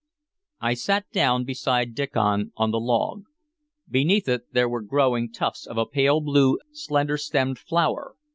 I sat down beside Diccon on the log. Beneath it there were growing tufts of a pale blue, slender stemmed flower.